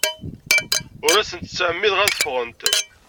Ur asent-ttɛemmideɣ ad ffɣent.